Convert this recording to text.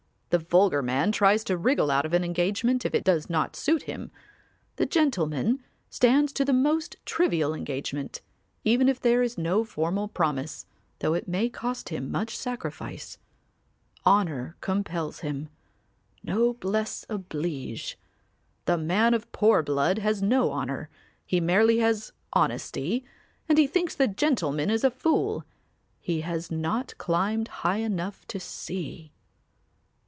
The vulgar man tries to wriggle out of an engagement if it does not suit him; the gentleman stands to the most trivial engagement, even if there is no formal promise, though it may cost him much sacrifice. Honour compels him, 'noblesse oblige.' The man of poor blood has no honour; he merely has honesty and he thinks the gentleman is a fool. He has not climbed high enough to see.